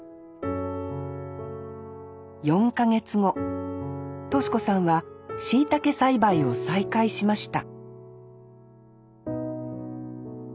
４か月後敏子さんはしいたけ栽培を再開しました